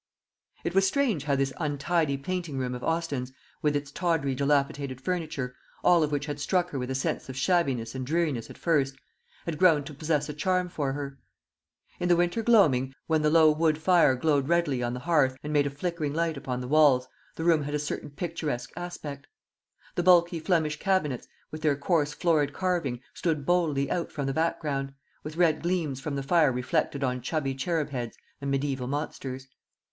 It was strange how this untidy painting room of Austin's, with its tawdry dilapidated furniture all of which had struck her with a sense of shabbiness and dreariness at first had grown to possess a charm for her. In the winter gloaming, when the low wood fire glowed redly on the hearth, and made a flickering light upon the walls, the room had a certain picturesque aspect. The bulky Flemish cabinets, with their coarse florid carving, stood boldly out from the background, with red gleams from the fire reflected on chubby cherub heads and mediaeval monsters.